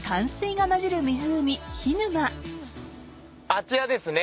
あちらですね。